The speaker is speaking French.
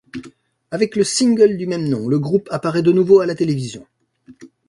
Avec le single du même nom, le groupe apparaît de nouveau à la télévision.